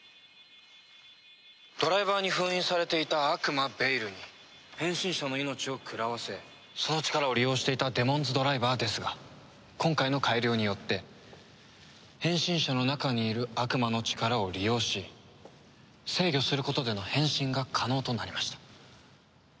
ドライバーに封印されていた悪魔ベイルに変身者の命を食らわせその力を利用していたデモンズドライバーですが今回の改良によって変身者の中にいる悪魔の力を利用し制御することでの変身が可能となりました。